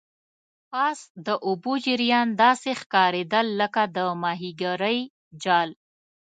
پاس د اوبو جریان داسې ښکاریدل لکه د ماهیګرۍ جال.